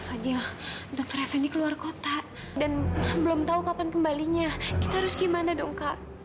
aja lah dokter fnd keluar kota dan belum tahu kapan kembalinya kita harus gimana dong kak